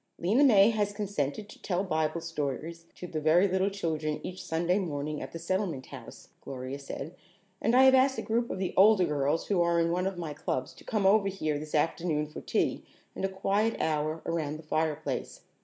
"Lena May has consented to tell Bible stories to the very little children each Sunday morning at the Settlement House," Gloria said, "and I have asked a group of the older girls who are in one of my clubs to come over here this afternoon for tea and a quiet hour around the fireplace.